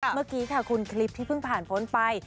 เมื่อกี้ค่ะคุณคลิปที่เพิ่งผ่านพ้นไป